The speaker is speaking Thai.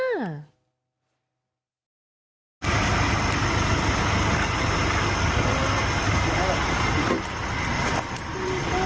อ่า